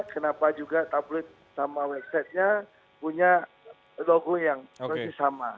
kenapa juga tabloid sama websitenya punya logo yang persis sama